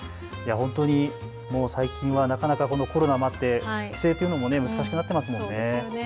最近はなかなかコロナになって帰省というのも難しくなっていますよね。